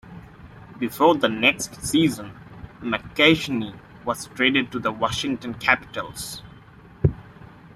Before the next season, McKechnie was traded to the Washington Capitals.